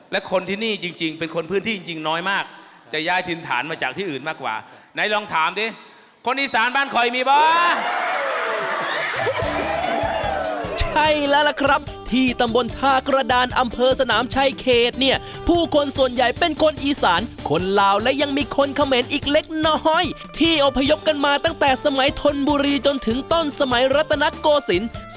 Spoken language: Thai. และคนที่นี่จริงจริงเป็นคนพื้นที่จริงจริงน้อยมากจะย้ายทินฐานมาจากที่อื่นมากกว่าไหนลองถามสิคนอีสานบ้านคอยมีป่าใช่แล้วล่ะครับที่ตำบนทากระดานอำเภอสนามชายเขตเนี่ยผู้คนส่วนใหญ่เป็นคนอีสานคนลาวและยังมีคนเขมรอีกเล็กน้อยที่อพยพกันมาตั้งแต่สมัยธนบุรีจนถึงต้นสมัยรัตนโกศิ